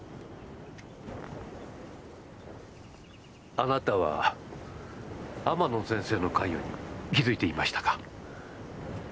あなたは天野先生の関与に気づいていましたか？